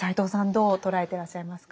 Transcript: どう捉えてらっしゃいますか？